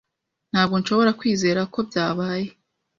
Ntabwo nshobora kwizera ko byabaye.